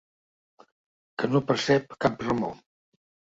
Que no percep cap remor.